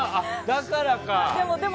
だからか。